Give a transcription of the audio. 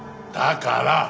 だから。